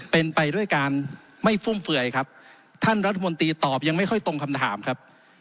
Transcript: เป็นไปด้วยการไม่ฟุ่มเฟื่อยครับท่านรัฐมนตรีตอบยังไม่ค่อยตรงคำถามครับ